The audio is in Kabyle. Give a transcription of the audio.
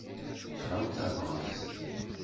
Sɛu tabɣest!